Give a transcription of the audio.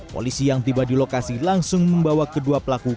polisi yang tiba di lokasi langsung membawa kedua pelaku